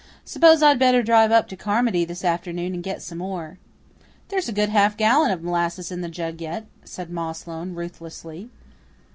"S'pose I'd better drive up to Carmody this afternoon and get some more." "There's a good half gallon of molasses in the jug yet," said ma Sloane ruthlessly.